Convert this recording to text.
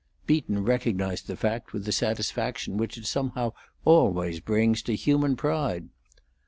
Beaton recognized the fact with the satisfaction which it somehow always brings to human pride.